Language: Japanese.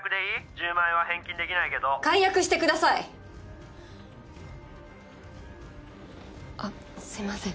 １０万円は返金できないけど解約してくださいあっすいません